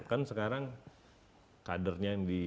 kan sekarang kadernya yang